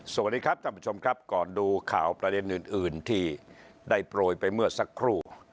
สวัสดีครับท่านผู้ชมครับก่อนดูข่าวประเด็นอื่นที่ได้โปรยไปเมื่อสักครู่